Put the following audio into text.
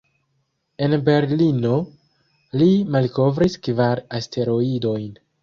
En Berlino, li malkovris kvar asteroidojn.